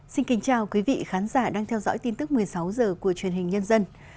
xin kính chào quý vị khán giả đang theo dõi tin tức một mươi sáu h của truyền hình nhân dân